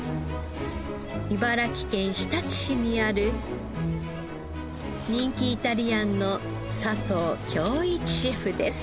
茨城県日立市にある人気イタリアンの佐藤協壱シェフです。